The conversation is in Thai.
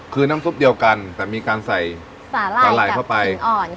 คือน้ำซุปเดียวกันแต่มีการใส่สาหร่ายกับขิงอ่อนค่ะ